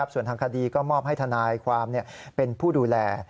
ส่วนทางคดีก็มอบให้ทนายความเป็นผู้ดูแล